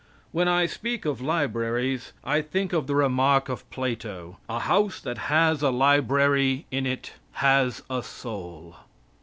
When I speak of libraries I think of the remark of Plato: "A house that has a library in it has a soul."